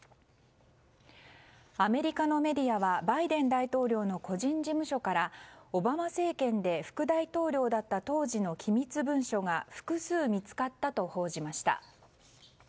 アメリカのメディアはバイデン大統領の個人事務所からオバマ政権で副大統領だった当時の機密文書が複数見つかったと報じました。